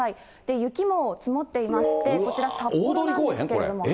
雪も積もっていまして、こちら札幌なんですけれども。